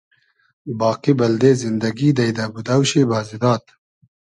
باقی بئلدې زیندئگی دݷدۂ بودۆ شی بازی داد